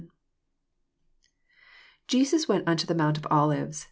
1 Jeens went onto the Monnt of Olivee.